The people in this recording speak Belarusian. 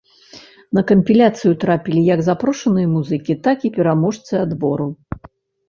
На кампіляцыю трапілі як запрошаныя музыкі, так і пераможцы адбору.